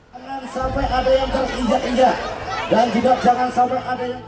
jangan sampai ada yang terinjak injak dan juga jangan sampai ada yang